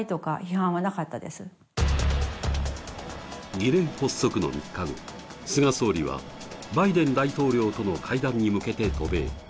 議連発足の３日後、菅総理はバイデン大統領との会談に向けて渡米。